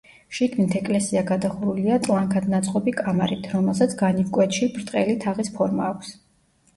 შიგნით ეკლესია გადახურულია ტლანქად ნაწყობი კამარით, რომელსაც განივკვეთში ბრტყელი თაღის ფორმა აქვს.